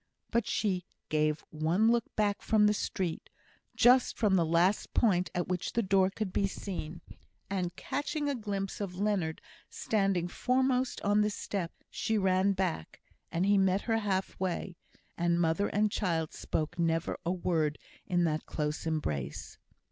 But she gave one look back from the street, just from the last point at which the door could be seen, and catching a glimpse of Leonard standing foremost on the step, she ran back, and he met her half way, and mother and child spoke never a word in that close embrace.